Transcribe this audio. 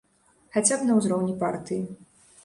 Хаця б на ўзроўні партыі.